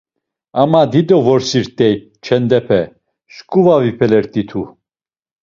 Ama dido vrosirt̆ey çendepe, şǩu va vipelert̆itu.